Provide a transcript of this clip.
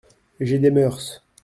J’ai des mœurs.